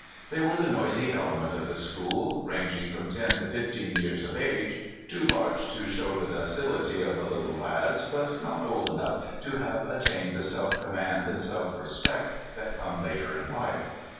They were the noisy element of the school, ranging from ten to fifteen years of age — too large to show the docility of the little lads, but not old enough to have attained the self command and self respect that come later in life.